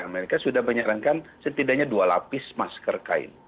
amerika sudah menyarankan setidaknya dua lapis masker kain